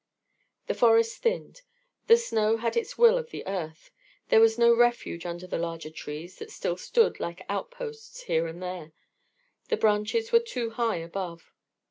The forest thinned. The snow had its will of the earth. There was no refuge under the larger trees that still stood, like outposts, here and there; the branches were too high above.